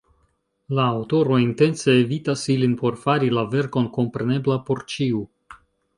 La aŭtoro intence evitas ilin por fari la verkon komprenebla por ĉiu.